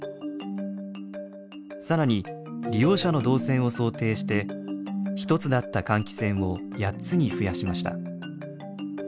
更に利用者の動線を想定して１つだった換気扇を８つに増やしました。